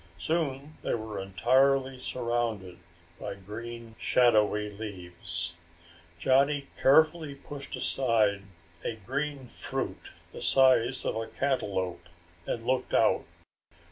Soon they were entirely surrounded by green shadowy leaves. Johnny carefully pushed aside a green fruit the size of a cantaloup and looked out.